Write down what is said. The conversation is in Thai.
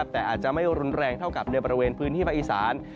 แต่อาจจะไม่รุนแรงเท่ากับในบริเวณพื้นที่ภาคอีสาน